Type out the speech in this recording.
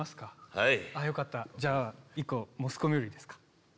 はいあっよかったじゃあ１個モスコミュールいいですか？